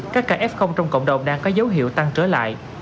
các kf trong cộng đồng đang có dấu hiệu tăng trở lại